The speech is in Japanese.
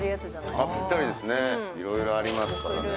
「いろいろありますからね」